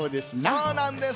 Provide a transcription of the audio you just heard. そうなんです。